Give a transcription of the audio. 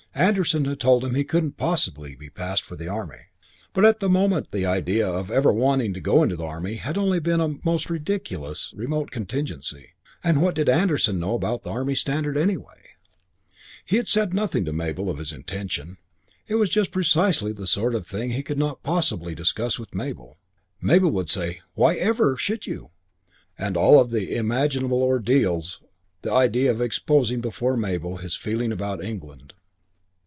Anderson had told him he couldn't possibly be passed for the Army, but at the moment the idea of ever wanting to go into the Army had only been an almost ridiculously remote contingency, and what did Anderson know about the Army standard, anyway? VI He said nothing to Mabel of his intention. It was just precisely the sort of thing he could not possibly discuss with Mabel. Mabel would say, "Whyever should you?" and of all imaginable ordeals the idea of exposing before Mabel his feeling about England